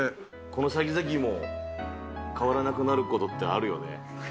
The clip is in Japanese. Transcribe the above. この先々も変わらなくなることってあるよね。